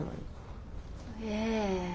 ええ。